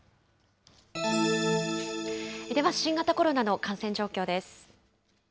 では、新型コロナの感染状況です。